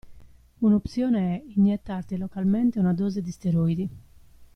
Un'opzione è iniettarti localmente una dose di steroidi.